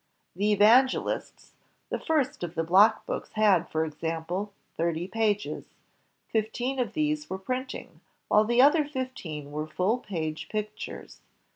The Evangelists, the first of the block books, had, for ex ample, thirty pages. Fifteen of these were printing, while the other fifteen were full page pictures.